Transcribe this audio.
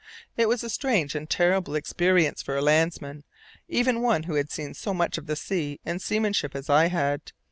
It was a strange and terrible experience for a landsman, even one who had seen so much of the sea and seamanship as I had.